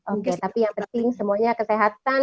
oke tapi yang penting semuanya kesehatan